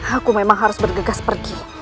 aku memang harus bergegas pergi